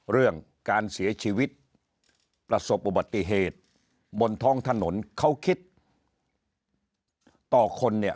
เรื่องการเสียชีวิตประสบอุบัติเหตุบนท้องถนนเขาคิดต่อคนเนี่ย